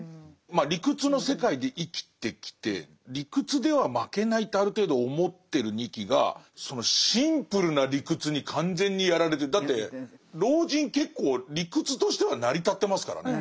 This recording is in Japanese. まあ理屈の世界で生きてきて理屈では負けないってある程度思ってる仁木がそのだって老人結構理屈としては成り立ってますからね。